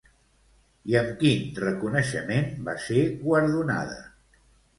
I amb quin reconeixement va ser guardonada?